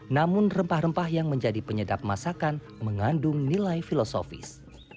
namun rempah rempah yang menjadi penyedap masakan mengandung nilai filosofis